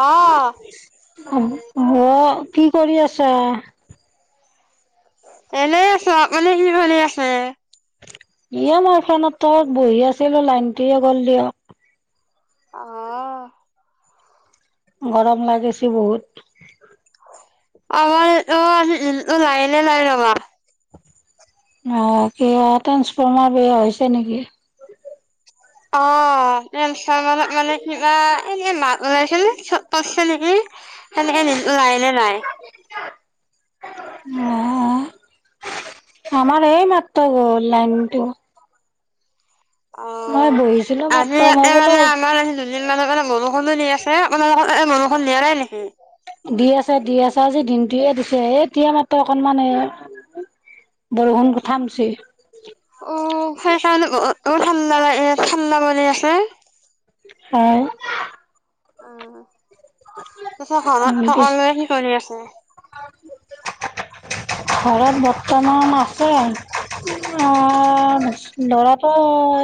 অ। অ কি কৰি আছ? এনে আছো আপুনি ভালেই আছে? ইয়া মই ফেনততো বহি আছিলো লাইনটিয়ে গ'ল দিয়ক। আহ। গৰম লাগেছে বহুত। আমাৰ অ লাইনে নাই আমাৰ। অ কিবা ট্ৰেন্সফৰ্মাৰ বেয়া হৈছে নেকি? অ ট্ৰেন্সফৰ্মাৰ অলপ মানে কিবা এনেক মাত ওলাইছে ন চব পছে নেকি সেনেকে ওলাই নে নাই? আহ আমাৰ এই মাত্ৰ গ'ল লাইনটো। মই অ'। বহিছিলো আজি মাত্ৰ ইয়াতে মই বুলো মানে আমাৰ আজি দুদিন মানৰ কাৰনে বৰষুণ দি আছে, আপোনাৰ তাতে বৰষুণ দিয়া নাই নেকি? দি আছে দি আছে আজি দিনটোয়ে দিছে এ এতিয়া মাত্ৰ অকনমান এ বৰষুণ কঠামচি অ সেইকাৰণে বতৰটো ঠাণ্ডা লাগি আছে। ঠাণ্ডা কৰি আছে। হয়। অ। পিছত ঘৰত পিছ সকলোৱে কি কৰি আছে? ঘৰত বৰ্তমান আছে। অ লৰাটো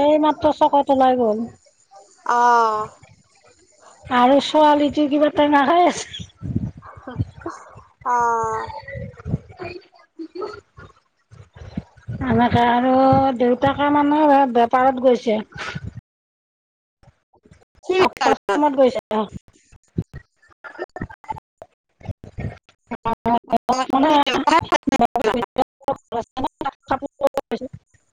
এইমাত্ৰ চকত ওলাই গ'ল। অঁ। আৰু ছোৱালীটো কিবা টেঙা খাই আছে। অ। এনেকে আৰু দেউতাকে মানে সেই বেপ পাৰত গৈছে। অত গৈছে অ [unintelligible] মান অ', অ'। [unintelligible] [unintelligible]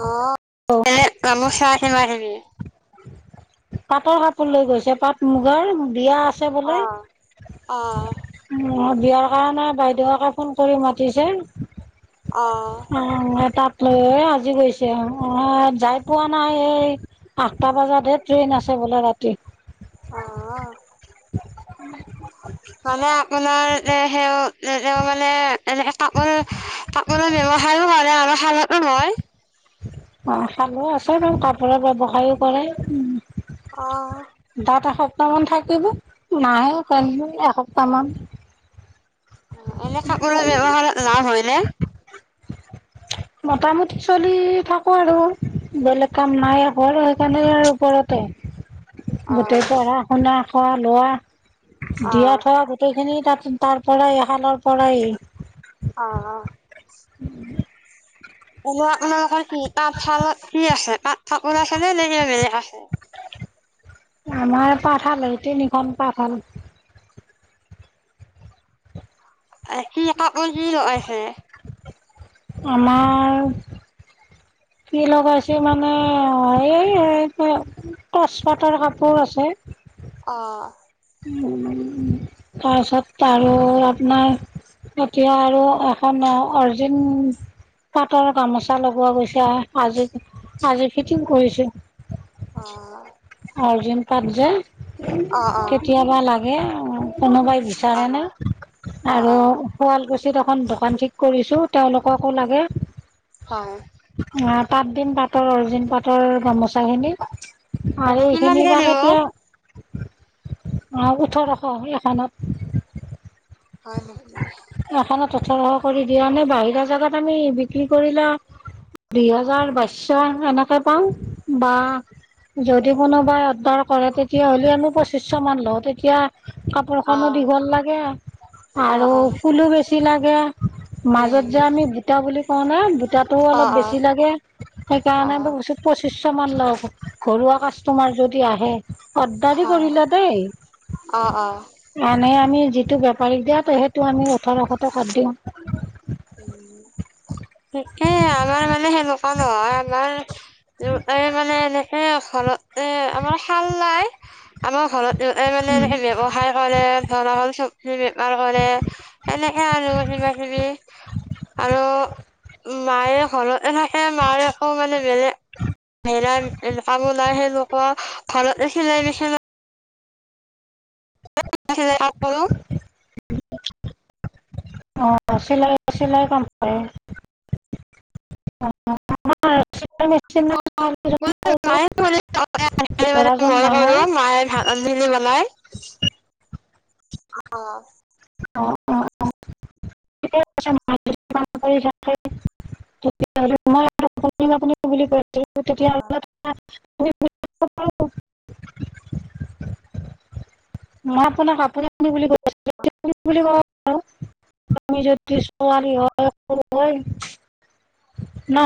অ এনে তামো চাহখিমা কিবা কিবি। পাটৰ কাপোৰ লৈ গৈছে পাট মুগাৰ বিয়া আছ- ছে বোলে অ অ বিয়াৰ কাৰণে বাইদেউক ক ফোন কৰি মাতিছে অ । অ তাত ল আজি গৈছে অহ অ যাই পোৱা নাই এই আঠটা বজাতহে ট্ৰেইন আছে বোলে ৰাত- কি অ [unintelligible] মানে আপোনাৰ এ সে এ তেওঁ মানে এনেকে কাপোৰ কাপোৰৰ ব্যৱহাৰো কৰে আৰু শালতো হয় । অ খালে আছে বাৰু কাপোৰৰ ব্যৱসায়ও কৰে, ওহ অ সপ্তাহ মান থাকিব নাহে এসপ্তাহ মান এনে কাপোৰৰ ব্যবসায়ত লাভ হয় নে? মোটামুটি চলি থাকো আৰু বেলেগ কাম নাই হ সেইকাৰণে ওপৰতে অ গোটেই পঢ়া শুনা- অ লোৱা অ দিয়া থ গোটেই খিনি তাত তাৰ পৰাই শালৰ পৰাই [inaudible] এনে আপোনালোকৰ কি তাত ফালত কি আছে তাত? কাপোৰ আছে নে লেকে বেলেগ আছে? আমাৰ পাঠশাল এই তিনিখন পাঠশাল কি কাপোৰ কি লগাইছে? আমাৰ কি লগাইছে মানে এই টচপাটৰ কাপোৰ আছে‌। অহ তাৰপিছত আৰু আপোনাৰ এতিয়া আৰু এখন অৰিজিন পাটৰ গামোচা লগোৱা গৈছে আজি আজি ফিটিং কৰিছোঁ । অ অৰ্জুন পাট যে অ অ - কেতিয়াবা লাগে কোনোবাই অ বিচাৰে ন অ আৰু অ শুৱালকুছ- এখন দোকান ঠিক কৰিছো তেওঁলোকক ক লাগে। হয় ইয়াত তাতদিম পাতৰ অৰ্জিন পাতৰ গামোচা খিনি আৰু এনে এইখিনি কিমানকে বা দিব কেতিয়া‌- অ ওঠৰশ এখনত হয় হয়। তথাৰহ কৰি দিয়া নে বাহিৰা জেগাত আমি বিক্ৰী কৰিলে দুই হাজাৰ বাইছশ এনেকৈ পাওঁ বা যদি কোনোবা। কৰে তেতিয়াহ'লে আমি দেশমান লওঁ তেতিয়া কাপোৰখনো অ', দীঘল লাগে অ', আৰু অ', ফুলো বেছি লাগে। মাজত উম, যে আমি বুটা বুলি কওঁ ন বুটাটোও অলপ অ', বেছি অ', লাগে ।সেইকাৰণে অ', পঁচিছশ মান লওঁ ঘৰুৱা কাষ্টমাৰ যদি আহে গাড্ডাৰি হয়। কৰিলে দেই। অ', অ', আমি যিটো বেপাৰীক দিয়া। সেইটো আমি ওঠৰশ টকাত দিওঁ ঠিকেই আমাৰ মানে সেনেকুৱা নহয় আমাৰ এই মানে এনেকে। ভালত আমাৰ। ভাল নাই ।আমাৰ ঘৰত মানে এনেকে ব্যৱসায় কৰে ধৰা হ'ল চব। হু কৰে এনেকে আৰু কিবা কিবি আৰু মায়ে ঘৰতে থাকে মায় আকৌ মানে বেলেগ হেৰা কামো নাই সেনেকুৱা ঘৰতে চিলাই নিচিনা [unintelligible] অ চিলাই চিলাই কাম কৰে। আ মায়ে ল'ৰাজন ডাঙৰ মায়ে অ অ অ অ ক তেতিয়া আ মইআপোনাক কাপোৰ পিন্ধিবি বুলি ক বুলি ক আমি যদি ছোৱালী হলো হয় ন?